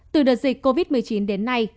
từ đợt dịch covid một mươi chín đến nay